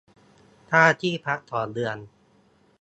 ค่าที่พัก ต่อเดือน